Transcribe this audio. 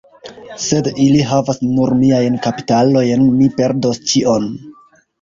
Sed ili havas nur miajn kapitalojn, mi perdos ĉion.